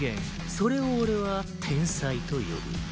それを俺は「天才」と呼ぶ。